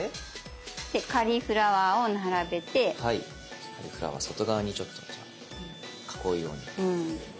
じゃカリフラワー外側にちょっと囲うように。